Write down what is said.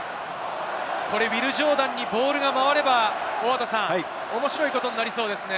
ウィル・ジョーダンにボールが回れば、面白いことになりそうですね。